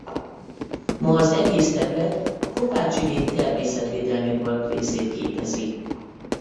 Ma az egész terület a Kopácsi-rét Természetvédelmi Park részét képezi.